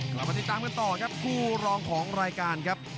กลับมาติดตามกันต่อครับคู่รองของรายการครับ